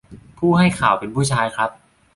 ผู้ให้ข่าวเป็นผู้ชายครับ